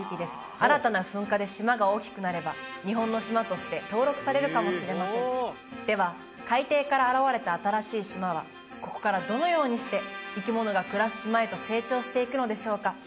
新たな噴火で島が大きくなれば日本の島として登録されるかもしれませんでは海底から現れた新しい島はここからどのようにして生き物が暮らす島へと成長していくのでしょうか？